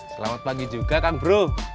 selamat pagi juga kan bro